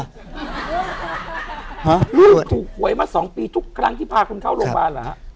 ลูกถูกหวยมาสองปีทุกครั้งที่พาคุณเข้าโรงพยาบาลเหรอฮะ